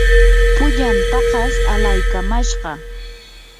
pullan paqas alaykamashqaa.